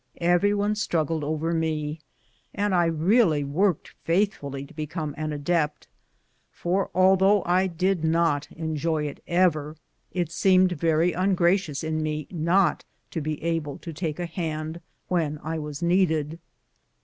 Every one struggled over me, and I really worked faithfully to become an adept. For though I did not enjoy it ever, it seemed very ungracious in me not to be able to take a hand when I was needed.